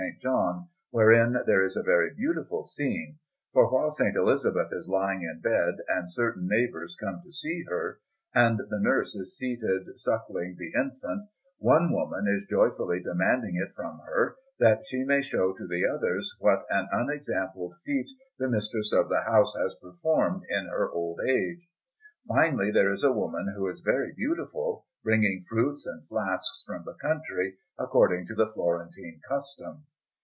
John, wherein there is a very beautiful scene, for while S. Elizabeth is lying in bed, and certain neighbours come to see her, and the nurse is seated suckling the infant, one woman is joyfully demanding it from her, that she may show to the others what an unexampled feat the mistress of the house has performed in her old age. Finally, there is a woman, who is very beautiful, bringing fruits and flasks from the country, according to the Florentine custom.